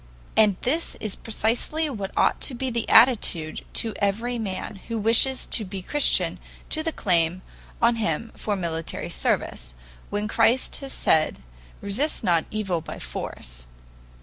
And this is precisely what ought to be the attitude to every man who wishes to be Christian to the claim on him for military service, when Christ has said, "Resist not evil by force."